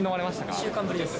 １週間ぶりです。